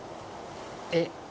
えっ。